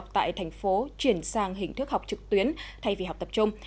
tại thành phố chuyển sang hình thức học trực tuyến thay vì học tập trung